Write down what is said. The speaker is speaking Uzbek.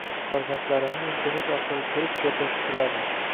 Farzandlarimni internet orqali ko`rib, gaplashib turardim